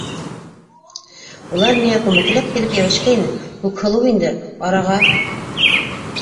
- Улар миңә күмәкләп килеп йәбешкәйне, Күкһылыу инде араға...